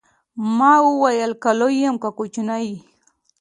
ما وويل که لوى يم که کوچنى.